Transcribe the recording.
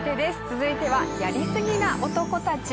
続いてはやりすぎな男たち。